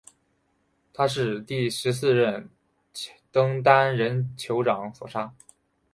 他是第十四任登丹人酋长所杀。